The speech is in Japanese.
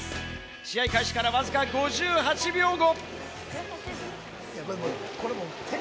試合開始からわずか５８秒後。